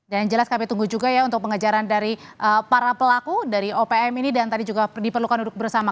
dan jelas kami tunggu juga ya untuk pengejaran dari para pelaku dari opm ini dan tadi juga diperlukan duduk bersama